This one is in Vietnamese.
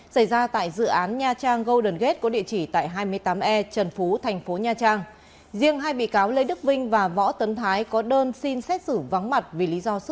xin kính chào và mời quý vị